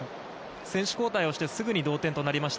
選手交代してすぐ同点となりました。